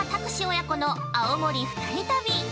親子の青森二人旅。